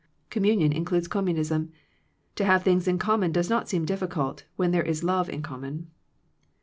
Communion includes commu nism. To have things in common does not seem difficult, when there is love in common.